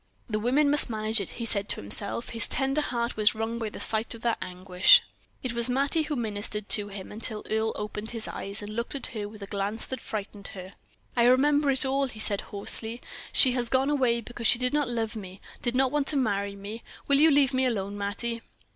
"The women must manage it," he said to himself. His tender heart was wrung by the sight of that anguish. It was Mattie who ministered to him, until Earle opened his eyes, and looked at her with a glance that frightened her. "I remember it all," he said, hoarsely; "she has gone away because she did not love me did not want to marry me. Will you leave me alone, Mattie?"